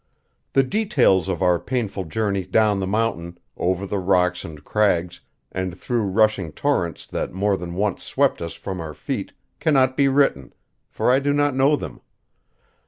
The details of our painful journey down the mountain, over the rocks and crags, and through rushing torrents that more than once swept us from our feet, cannot be written, for I do not know them.